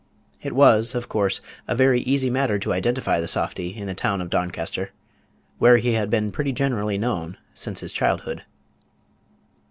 It was, of course, a very easy matter to identify the softy in the Town of Doncaster, where he had been pretty generally known since his childhood.